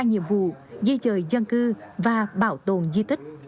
nhiệm vụ di rời dân cư và bảo tồn di tích